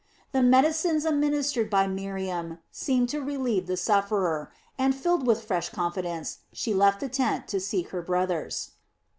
The medicines administered by Miriam seemed to relieve the sufferer, and filled with fresh confidence, she left the tent to seek her brothers.